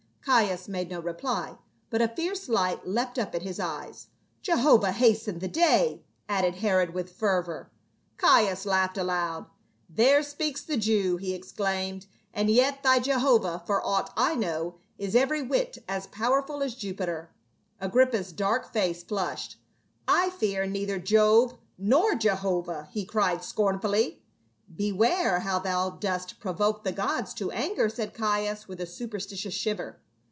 Caius made no reply, but a fierce light leapt up in his eyes. "Jehovah hasten the day!" added Herod with fervor. Caius laughed aloud. " There speaks the Jew !" he exclaimed, " and yet thy Jehovah, for aught I know, is every whit as powerful as Jupiter." Agrippa's dark face flushed. " I fear neither Jove nor Jehovah," he cried scornfully, " Beware how thou dost provoke the gods to anger," said Caius, with a superstitious shiver.